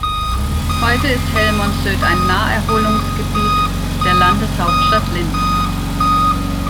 Heute ist Hellmonsödt ein Naherholungsgebiet der Landeshauptstadt Linz.